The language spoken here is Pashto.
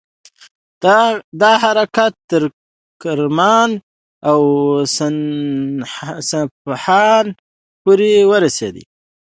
دا حرکت تر کرمان او اصفهان پورې ورسید.